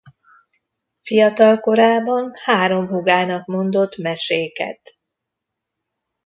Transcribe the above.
Fiatalkorában három húgának mondott meséket.